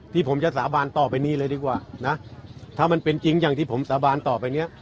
ที่ผมจะสาบานต่อไปนี้เลยดีกว่านะถ้ามันเป็นจริงอย่างที่ผมสาบานต่อไปเนี้ย